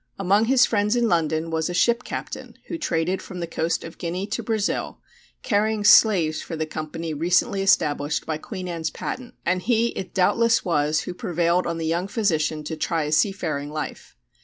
Among his friends in London was a ship captain who traded from the coast of Guinea to Brazil, carrying slaves for the company recently established by Queen Anne's patent, and he it doubtless was who prevailed on the young physician to try a seafaring life.